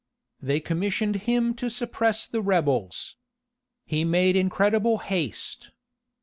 They commissioned him to suppress the rebels. He made incredible haste.